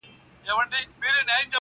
ډبري غورځوې تر شا لاسونه هم نیسې.